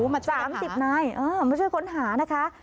มาช่วยค้นหาคุณคุณค่ะมาช่วยค้นหาคุณคุณค่ะ